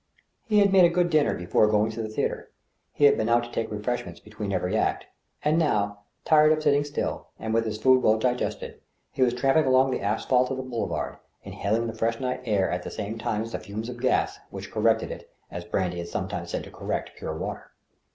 He had made a good dinner before going to the theatre, he had been out to take refreshments between every act ; and now, tired of sitting still, and with his food well digested, he was tramping along the asphalt of the Boulevard, inhaling the fresh night air at the same time as the fumes of gas, which " corrected " it, as brandy is sometimes said to "correct ' pure water.